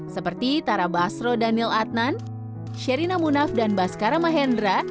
seperti tara basro daniel adnan sherina munaf dan baskara mahendra